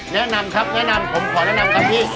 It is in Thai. แนะนำครับแนะนำผมขอแนะนำครับพี่